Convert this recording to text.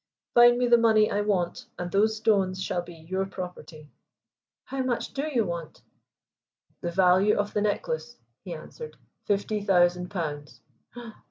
Find me the money I want, and those stones shall be your property." "How much do you want?" "The value of the necklace," he answered. "Fifty thousand pounds."